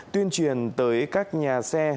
tuyên truyền tới các nhà xe